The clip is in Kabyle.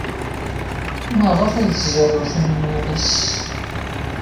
Maɣef ay tzerrew Taninna yal ass?